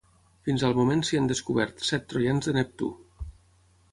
Fins al moment s'hi han descobert set troians de Neptú.